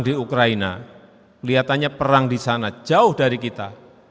di ukraina kelihatannya perang di sana jauh dari kita